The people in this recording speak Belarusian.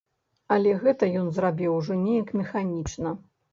Але гэта ён зрабіў ужо нейк механічна.